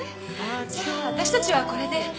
じゃあ私たちはこれで。